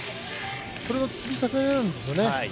それの積み重ねなんですよね。